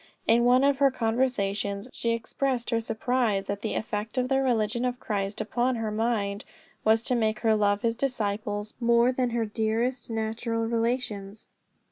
In one of her conversations she expressed her surprise that the effect of the religion of Christ upon her mind was to make her love his disciples more than her dearest natural relations.